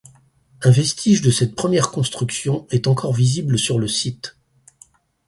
Un vestige de cette première construction est encore visible sur le site.